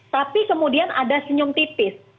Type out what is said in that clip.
tapi kemudian ada senyum tipis